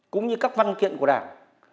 cũng như các văn kiện của đảng